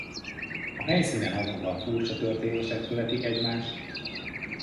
A helyszínen azonban furcsa történések követik egymást.